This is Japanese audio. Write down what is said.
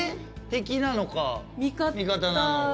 敵なのか味方なのか。